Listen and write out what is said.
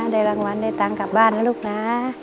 ได้รางวัลได้ตังค์กลับบ้านนะลูกนะ